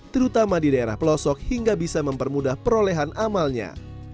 terutama di daerah pelosok hingga bisa mempermudah perolehan amalnya